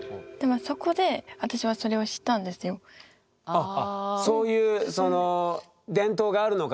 あっそういうその伝統があるのかと。